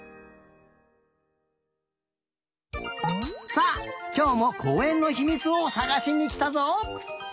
さあきょうもこうえんのひみつをさがしにきたぞ。